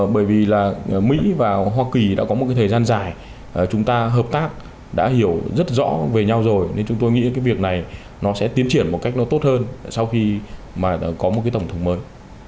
bởi vì là mỹ và hoa kỳ đã có một cái thời gian dài chúng ta hợp tác đã hiểu rất rõ về nhau rồi nên chúng tôi nghĩ cái việc này nó sẽ tiến triển một cách nó tốt hơn sau khi mà có một cái tổng thống mới